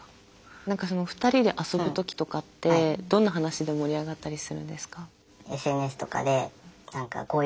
何かその２人で遊ぶ時とかってどんな話で盛り上がったりするんですか？